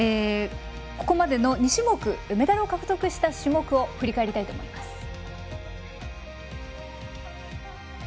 ここまでのメダルを獲得した種目を振り返りたいと思います。